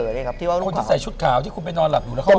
คนที่ใส่ชุดขาวที่คุณไปนอนหลับอยู่